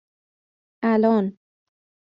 آلان